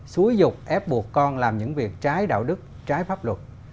xúi dục ép buộc con làm những việc trái đạo đức trái pháp luật